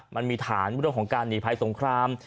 มันมีฐานบนของการหนีไพรสงคราม